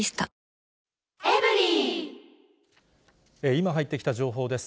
今入ってきた情報です。